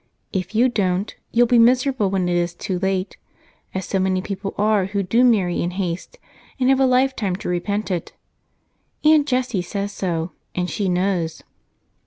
If you don't, you'll be miserable when it is too late, as so many people are who do marry in haste and have a lifetime to repent it. Aunt Jessie says so, and she knows."